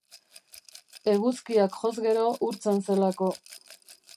Eguzkiak joz gero urtzen zelako.